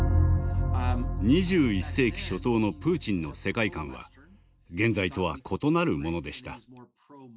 ２１世紀初頭のプーチンの世界観は現在とは異なるものでした。